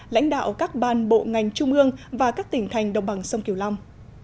lãnh đạo các ban bộ ngành trung ương và các tỉnh thành đồng bằng sông kiều long